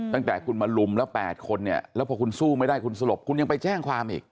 ตั้งแต่คุณมาลุมแล้ว๘คนเนี่ยแล้วพอคุณสู้ไม่ได้คุณสลบคุณยังไปแจ้งความอีก